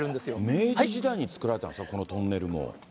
明治時代に造られたんですか、このトンネルも。